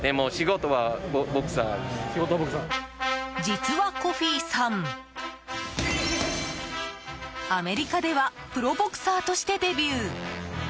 実はコフィさん、アメリカではプロボクサーとしてデビュー。